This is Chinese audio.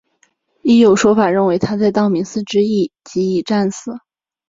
亦有说法认为他在道明寺之役即已战死。